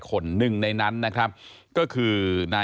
ก็ไม่รู้ว่าฟ้าจะระแวงพอพานหรือเปล่า